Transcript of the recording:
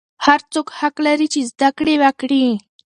هر څوک حق لري چې زده کړې وکړي.